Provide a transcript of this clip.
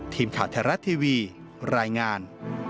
ทีมข่าวไทยรัฐทีวีรายงาน